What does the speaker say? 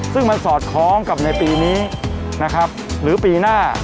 ซึ่งมันสอดคล้องกับในปีนี้นะครับหรือปีหน้า